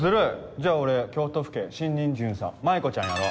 じゃあ俺京都府警新任巡査舞子ちゃんやろう。